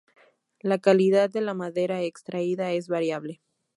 La calidad de la madera extraída es variable.